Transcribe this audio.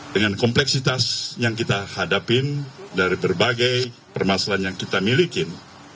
dengan kompleksitas yang kita hadapin dari berbagai permasalahan yang kita miliki